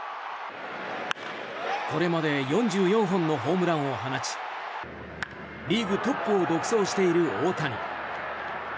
これまで４４本のホームランを放ちリーグトップを独走している大谷。